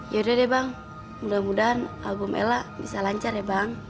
yaudah deh bang mudah mudahan album ella bisa lancar ya bang